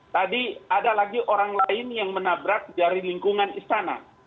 tadi ada lagi orang lain yang menabrak dari lingkungan istana